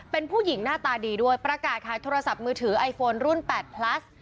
เป็นผู้หญิงหน้าตาดีด้วยประกาศขายโทรศัพท์มือถือไอโฟนรุ่น๘พลัส